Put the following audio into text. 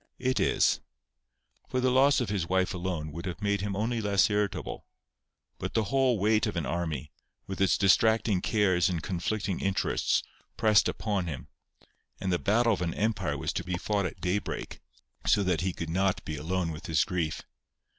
It is. For the loss of his wife alone would have made him only less irritable; but the whole weight of an army, with its distracting cares and conflicting interests, pressed upon him; and the battle of an empire was to be fought at daybreak, so that he could not be alone with his grief.